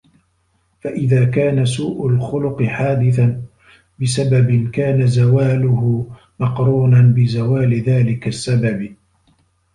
فَإِذَا كَانَ سُوءُ الْخُلُقِ حَادِثًا بِسَبَبٍ كَانَ زَوَالُهُ مَقْرُونًا بِزَوَالِ ذَلِكَ السَّبَبِ